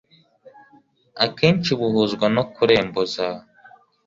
akenshi buhuzwa no kurembuza